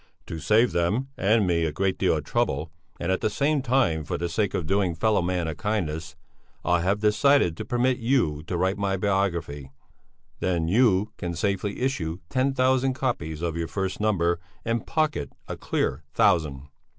"To save them and me a great deal of trouble, and at the same time for the sake of doing a fellow man a kindness, I have decided to permit you to write my biography; then you can safely issue ten thousand copies of your first number and pocket a clear thousand."